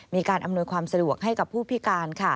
มีการอำนวยความสะดวกให้กับผู้พิการ